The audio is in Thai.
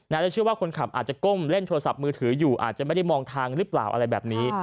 แล้วเชื่อว่าคนขับอาจจะก้มเล่นโทรศัพท์มือถืออยู่อาจจะไม่ได้มองทางหรือเปล่าอะไรแบบนี้